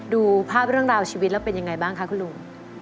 ดูภาพเรื่องราวชีวิตแล้วเป็นยังไงบ้างคะคุณลุง